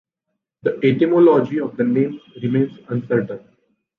The etymology of the name remains uncertain.